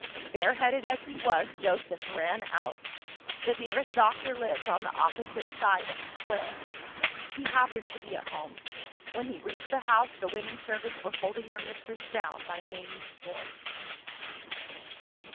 Bareheaded as he was, Joseph ran out. The nearest doctor lived on the opposite side of the Square. He happened to be at home. When he reached the house, the women servants were holding their mistress down by main force.